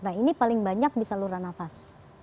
nah ini paling banyak di saluran nafas